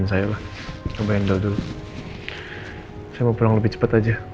silahkan mbak mbak